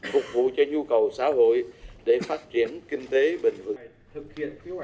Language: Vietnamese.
phục vụ cho nhu cầu xã hội để phát triển kinh tế bình thường